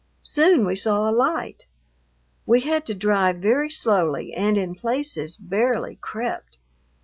Soon we saw a light. We had to drive very slowly and in places barely crept.